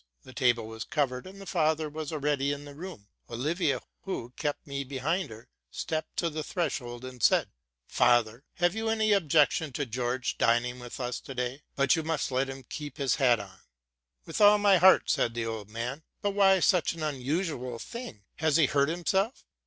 The table was covered, and the father was already in the room. Olivia, who kept me behind her, stepped to the threshold, and said, '¢ Father, have you any objection to George dining with us to day? but you must let him keep his hat on.'' —'* With all my heart!" said the old man, '+ but why such an unusual thing? Has he hurt himself?"